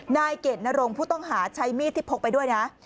นายเกดนรงผู้ต้องหาใช้มีดที่พกไปด้วยนะ